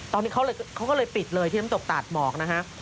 ตอนนี้เขาก็เลยปิดเลยที่น้ำตกตาดหมอกนะฮะ